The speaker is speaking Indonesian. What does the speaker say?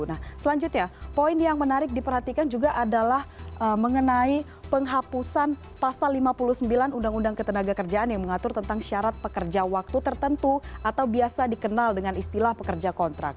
nah selanjutnya poin yang menarik diperhatikan juga adalah mengenai penghapusan pasal lima puluh sembilan undang undang ketenaga kerjaan yang mengatur tentang syarat pekerja waktu tertentu atau biasa dikenal dengan istilah pekerja kontrak